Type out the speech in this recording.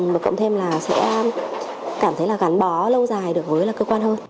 và cộng thêm là sẽ cảm thấy là gắn bó lâu dài được với cơ quan hơn